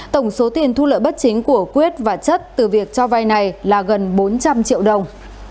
tổng số tiền thu lợi bất chính của quyết và chất từ việc cho vay này là gần bốn trăm linh triệu đồng